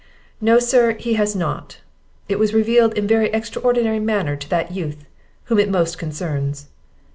"No, sir, he has not; it was revealed in a very extraordinary manner to that youth whom it most concerns."